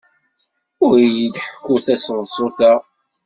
Ur iyi-d-ḥekku taseḍsut-a.